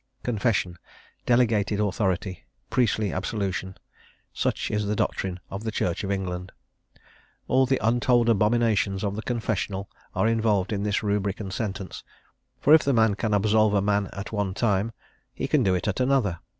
Confession, delegated authority, priestly absolution, such is the doctrine of the Church of England: all the untold abominations of the confessional are involved in this rubric and sentence; for if the man can absolve a man at one time, he can do it at another.